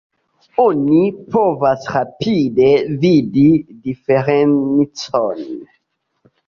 Oni povas rapide vidi diferencon.